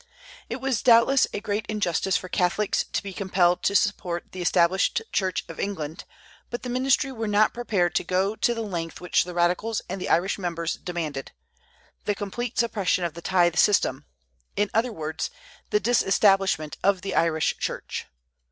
It was doubtless a great injustice for Catholics to be compelled to support the Established Church of England; but the ministry were not prepared to go to the length which the radicals and the Irish members demanded, the complete suppression of the tithe system; in other words, "the disestablishment of the Irish Church."